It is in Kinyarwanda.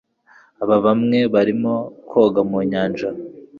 abana bamwe barimo koga mu nyanja